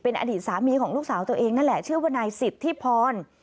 อดีตสามีของลูกสาวตัวเองนั่นแหละชื่อว่านายสิทธิพร